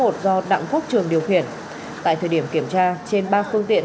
một nghìn ba trăm tám mươi một do đặng quốc trường điều khiển tại thời điểm kiểm tra trên ba phương tiện